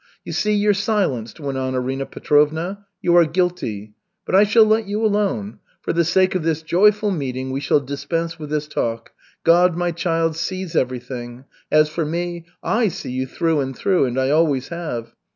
"You see, you're silenced," went on Arina Petrovna, "you are guilty. But I shall let you alone. For the sake of this joyful meeting we shall dispense with this talk. God, my child, sees everything. As for me, I see you through and through, and I always have.